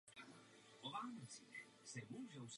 Samčí šištice jsou válcovité až kuželovité.